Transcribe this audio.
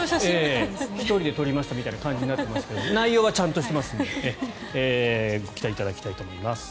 １人で撮りましたみたいな感じになってますが内容はちゃんとしていますのでご期待いただきたいと思います。